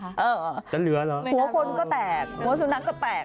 เออจ้ะเนื้อแล้วหัวคนก็แตกหัวสุนัขก็แตก